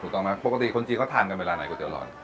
ถูกต้องไหมปกติคนจีนเขาทานกันเวลาไหนก๋วหล่อน